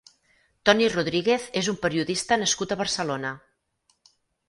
Toni Rodríguez és un periodista nascut a Barcelona.